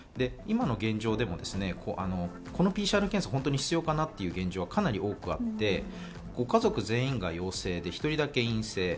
今の現状でも、このＰＣＲ検査、本当に必要かなっていう現状はかなり多くあって、ご家族全員が陽性で１人だけ陰性。